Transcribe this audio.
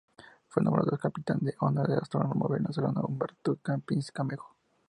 Fue nombrado Campins en honor al astrónomo venezolano Humberto Campins Camejo.